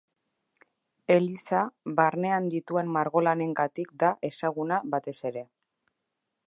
Eliza, barnean dituen margolanengatik da ezaguna batez ere.